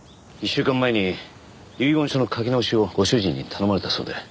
１週間前に遺言書の書き直しをご主人に頼まれたそうで。